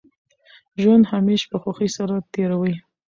ژوند همېشه په خوښۍ سره تېروئ!